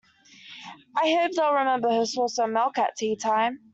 I hope they’ll remember her saucer of milk at tea-time.